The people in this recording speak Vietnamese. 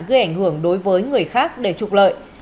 gây ảnh hưởng đối với người khác để trục lợi